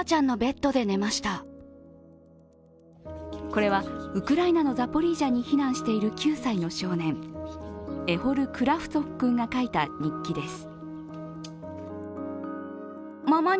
これはウクライナのザポリージャに避難している９歳の少年エホル・クラフツォフ君が書いた日記です。